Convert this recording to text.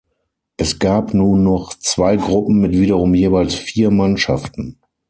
Es gab nun noch zwei Gruppen mit wiederum jeweils vier Mannschaften.